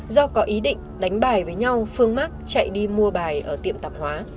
do có ý định đánh bài với nhau phương mắc chạy đi mua bài ở tiệm tạp hóa